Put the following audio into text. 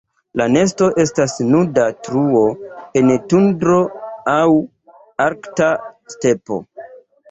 La nesto estas nuda truo en tundro aŭ arkta stepo.